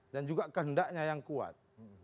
dan juga kehendaknya yang kuat